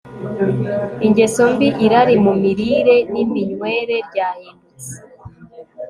ingeso mbi Irari mu mirire niminywere ryahindutse